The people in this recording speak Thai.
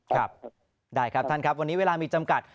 ครับได้ครับท่านครับวันนี้เวลามีจำกัด